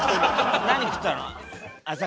何食ったの？